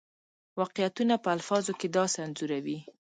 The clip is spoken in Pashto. واقعیتونه په الفاظو کې داسې انځوروي.